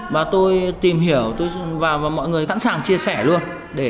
và tôi tìm hiểu và mọi người sẵn sàng chia sẻ luôn